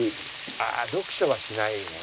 ああ読書はしないね。